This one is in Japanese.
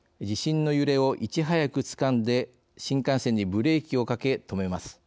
地震の揺れを、いち早くつかんで新幹線にブレーキをかけ止めます。